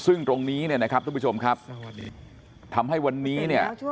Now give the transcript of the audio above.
ซึ่งตรงนี้เนี่ยนะครับทุกผู้ชมครับทำให้วันนี้เนี่ย